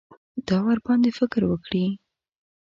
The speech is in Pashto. دا ورباندې فکر وکړي.